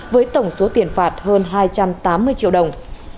với tổng số tiền phạt hơn hai trăm tám mươi triệu đồng